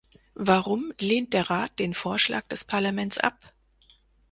Warum lehnt der Rat den Vorschlag des Parlaments ab?